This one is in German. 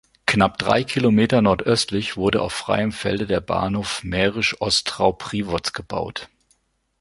Knapp drei Kilometer nordöstlich wurde auf freiem Felde der Bahnhof Mährisch Ostrau-Priwoz gebaut.